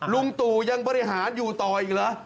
ลุงตู่ยังบริหารอยู่ต่ออีกเหรอ